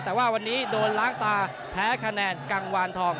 แต่ว่าวันนี้โดนล้างตาแพ้คะแนนกังวานทอง